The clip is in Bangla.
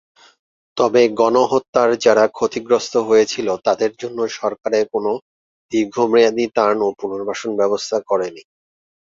তবে গণহত্যার যারা ক্ষতিগ্রস্ত হয়েছিল তাদের জন্য সরকারের কোনো দীর্ঘমেয়াদি ত্রাণ ও পুনর্বাসন ব্যবস্থা করেনি।